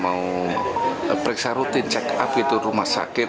mau periksa rutin check up itu rumah sakit